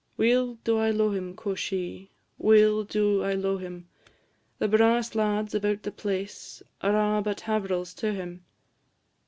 "Weel do I lo'e him," quo' she; "Weel do I lo'e him; The brawest lads about the place Are a' but hav'rels to him.